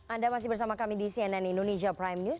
anda masih bersama kami di cnn indonesia prime news